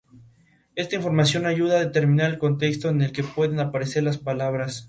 Esta información ayuda a determinar el contexto en el que pueden aparecer las palabras.